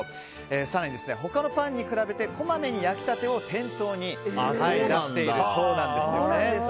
更に他のパンに比べてこまめに焼きたてを店頭に出しているそうなんです。